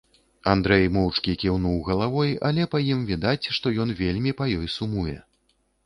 Андрэй моўчкі кіўнуў галавой, але па ім відаць, што ён вельмі па ёй сумуе.